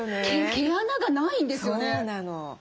毛穴がないんですよね。